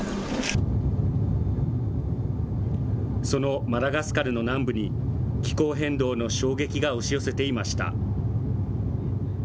そのマダガスカルの南部に、気候変動の衝撃が押し寄せていました。